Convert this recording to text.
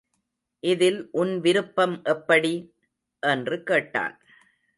இதில் உன் விருப்பம் எப்படி? என்று கேட்டான்.